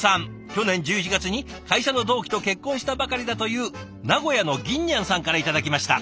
去年１１月に会社の同期と結婚したばかりだという名古屋のぎんにゃんさんから頂きました。